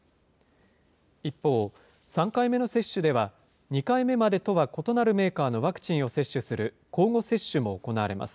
一方、３回目の接種では、２回目までとは異なるメーカーのワクチンを接種する交互接種も行われます。